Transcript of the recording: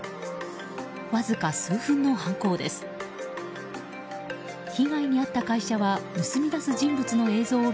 わずか数分の犯行です。